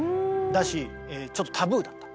だしちょっとタブーだった。